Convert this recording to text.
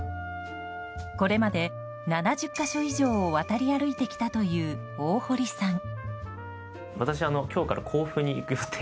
これまで７０か所以上を渡り歩いてきたという大堀さん。